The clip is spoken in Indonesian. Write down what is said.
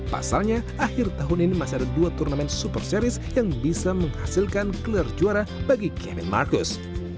pasalnya akhir tahun ini masih ada dua turnamen super series yang bisa menghasilkan gelar juara bagi kevin marcus